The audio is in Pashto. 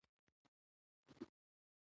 افغانستان له تالابونه ډک دی.